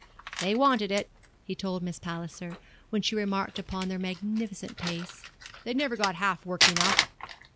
'They wanted it,' he told Miss Palliser, when she remarked upon their magnificent pace, 'they never got half work enough.'